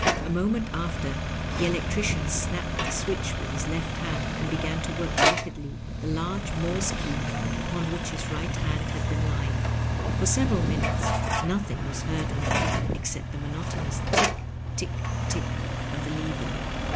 A moment after, the electrician snapped a switch with his left hand, and began to work rapidly the large Morse key upon which his right hand had been lying. For several miuutes nothing waB heard in the cabin ex cept the monotonous tick, tick tick of the lever.